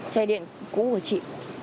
xe điện cũ của chị